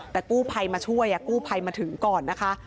แต่กู้ภัยมาช่วยกู้ภัยมาถึงก่อนนะคะ